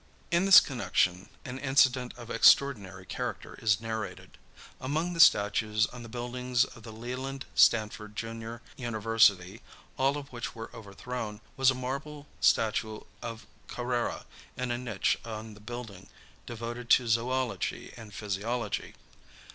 In this connection an incident of extraordinary character is narrated. Among the statues on the buildings of the Leland Stanford, Jr., University, all of which were overthrown, was a marble statue of Carrara in a niche on the building devoted to zoology and physiology.